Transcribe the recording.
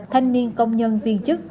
thanh niên công nhân viên chức